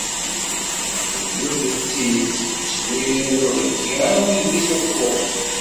Bdu-tt-id seg uswir n uheyyi almi d wis ukkuẓ.